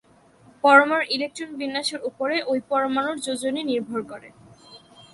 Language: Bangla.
পরমাণুর ইলেকট্রন বিন্যাসের উপরে ঐ পরমাণুর যোজনী নির্ভর করে।